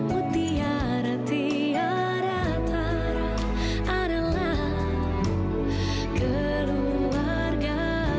mutiara tiara tara adalah keluarga